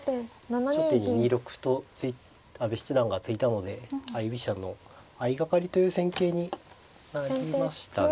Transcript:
初手に２六歩と阿部七段が突いたので相居飛車の相掛かりという戦型になりましたね。